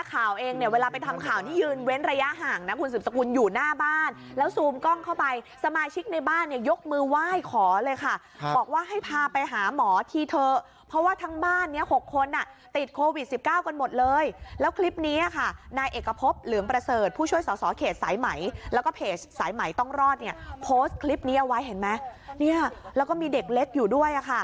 ต้องรอดเนี่ยโพสต์คลิปนี้เอาไว้เห็นไหมเนี่ยแล้วก็มีเด็กเล็กอยู่ด้วยอะค่ะ